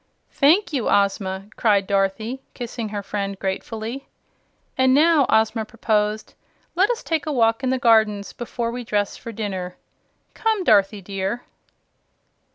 "Thank you, Ozma!" cried Dorothy, kissing her friend gratefully. "And now," Ozma proposed, "let us take a walk in the gardens before we dress for dinner. Come, Dorothy dear!"